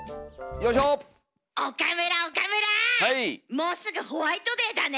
もうすぐホワイトデーだね！